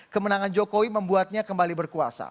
kemenangan jokowi membuatnya kembali berkuasa